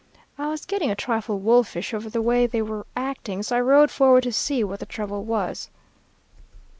I was getting a trifle wolfish over the way they were acting, so I rode forward to see what the trouble was.